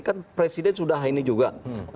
kan presiden sudah ini juga